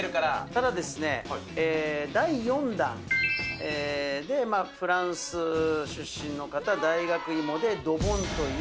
ただ、第４弾でフランス出身の方、大学芋でドボンという。